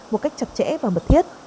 một cách chặt chẽ và mật thiết